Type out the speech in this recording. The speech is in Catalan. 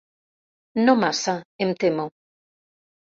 No massa, em temo.